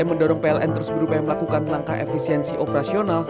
mendorong pln terus berupaya melakukan langkah efisiensi operasional